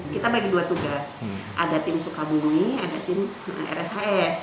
kita bagi dua tugas ada tim sukabumi ada tim rshs